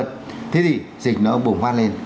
thế thì dịch nó bùng phát lên